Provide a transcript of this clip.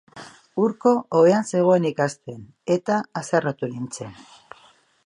Urko ohean zegoen ikasten eta haserretu nintzen.